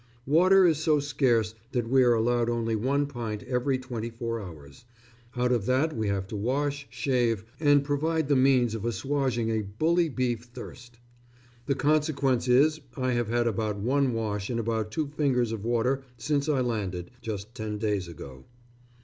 Water is so scarce that we are allowed only one pint every twenty four hours. Out of that we have to wash, shave, and provide the means of assuaging a bully beef thirst. The consequence is I have had about one wash in about two fingers of water since I landed, just ten days ago....